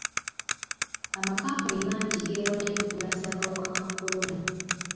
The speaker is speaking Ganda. Amakampuni mangi gewaddeyo ku kulwanyisa akawuka ka kolona.